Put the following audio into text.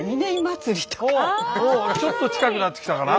ちょっと近くなってきたかな。